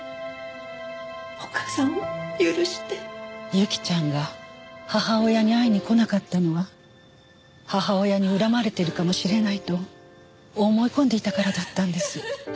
侑希ちゃんが母親に会いに来なかったのは母親に恨まれてるかもしれないと思い込んでいたからだったんです。